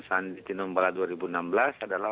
saat di ngombala dua ribu enam belas adalah